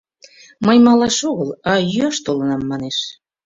«Мый малаш огыл, а йӱаш толынам», — манеш.